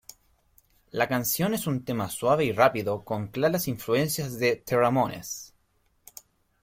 La canción es un tema suave y rápido con claras influencias de The Ramones.